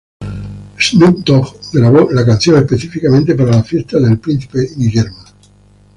Snoop Dogg grabó la canción específicamente para la fiesta del Príncipe Guillermo.